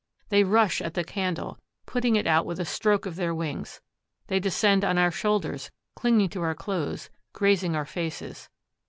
They rush at the candle, putting it out with a stroke of their wings; they descend on our shoulders, clinging to our clothes, grazing our faces.